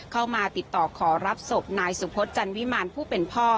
เข้ามาติดต่อขอรับศพนายสุพศจันวิมารผู้เป็นพ่อ